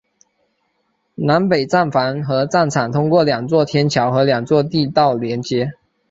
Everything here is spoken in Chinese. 南北站房和站场通过两座天桥和两座地道连接。